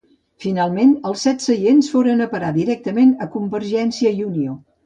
Finalment els set seients foren a parar directament a Convergència i Unió.